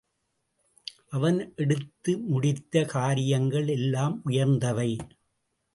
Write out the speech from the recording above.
அவன் எடுத்து முடித்த காரியங்கள் எல்லாம் உயர்ந்தவை.